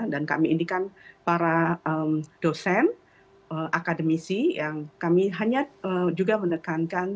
dan kami ini kan para dosen akademisi yang kami hanya juga menekankan